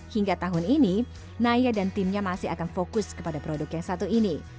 hingga tahun ini naya dan timnya masih akan fokus kepada produk yang satu ini